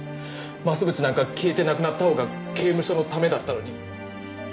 増渕なんか消えてなくなったほうが刑務所のためだったのに。